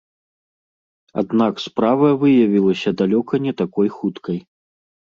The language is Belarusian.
Аднак справа выявілася далёка не такой хуткай.